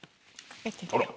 あら。